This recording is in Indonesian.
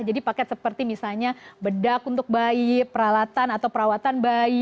jadi paket seperti misalnya bedak untuk bayi peralatan atau perawatan bayi